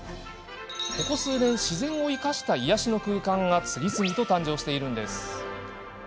ここ数年、自然を生かした癒やしの空間が次々と誕生しているんです。